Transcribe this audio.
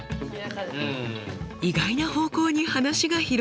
意外な方向に話が広がりました。